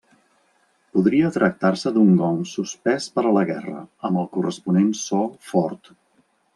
Podria tractar-se d’un gong suspès per a la guerra, amb el corresponent so fort.